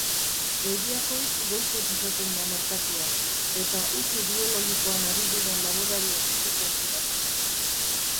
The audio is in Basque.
Ebiakoitz goizez izaten da merkatua, eta usu biologikoan ari diren laborariak jiten dira.